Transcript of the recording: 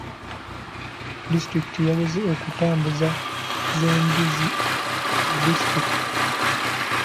Disitulikiti yaweze okutambuza z'embizi mu disitulikiti.